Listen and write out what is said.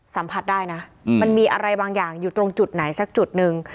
สัมผัสได้นะมันมีอะไรบางอย่างอยู่ตรงจุดไหนสักจุดหนึ่ง